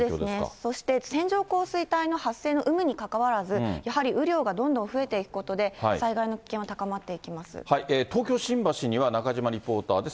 そして線状降水帯の発生の有無にかかわらず、やはり雨量がどんどん増えていくことで、東京・新橋には、中島リポーターです。